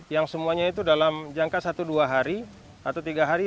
yang semuanya itu dalam jangka satu dua hari atau tiga hari